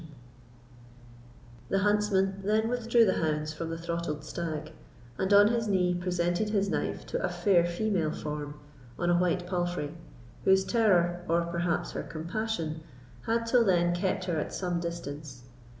The huntsman then withdrew the hounds from the throttled stag, and on his knee presented his knife to a fair female form, on a white palfrey, whose terror, or perhaps her compassion, had till then kept her at some distance.